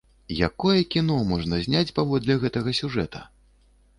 Якое кіно можна зняць паводле гэтага сюжэта!